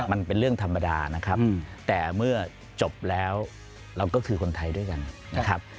มันเป็นเรื่องธรรมดานะครับแต่เมื่อจบแล้วเราก็คือคนไทยด้วยกันนะครับ